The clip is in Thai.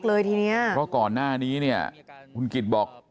เพราะก่อนหน้านี้เนี่ยคุณกิจบอก